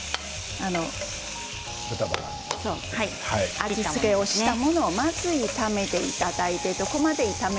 味付けしたものをまず炒めていただいて。